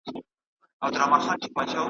پر دې لار تر هیڅ منزله نه رسیږو .